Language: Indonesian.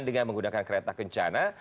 dengan menggunakan kereta kencana